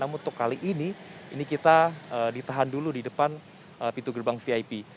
namun untuk kali ini ini kita ditahan dulu di depan pintu gerbang vip